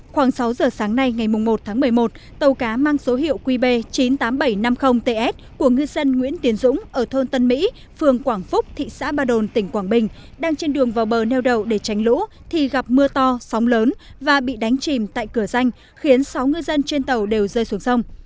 khoảng sáu giờ sáng nay ngày một tháng một mươi một tàu cá mang số hiệu qb chín mươi tám nghìn bảy trăm năm mươi ts của ngư dân nguyễn tiến dũng ở thôn tân mỹ phường quảng phúc thị xã ba đồn tỉnh quảng bình đang trên đường vào bờ neo đậu để tránh lũ thì gặp mưa to sóng lớn và bị đánh chìm tại cửa danh khiến sáu ngư dân trên tàu đều rơi xuống sông